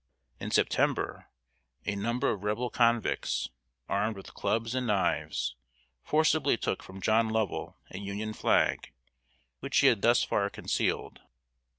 In September, a number of Rebel convicts, armed with clubs and knives, forcibly took from John Lovell a Union flag, which he had thus far concealed.